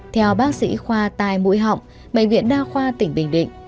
theo bác sĩ khoa tai mũi họng bệnh viện đa khoa tỉnh bình định